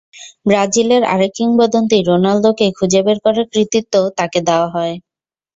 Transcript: ব্রাজিলের আরেক কিংবদন্তি রোনালদোকে খুঁজে বের করার কৃতিত্বও তাঁকে দেওয়া হয়।